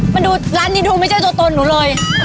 มันดูร้านนี้ดูไม่ใช่ตัวตนหนูเลย